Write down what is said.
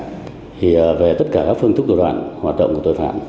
thì về tất cả các phương thức thủ đoạn hoạt động của tội phạm